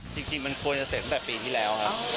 จริงมันควรจะเสร็จตั้งแต่ปีที่แล้วครับ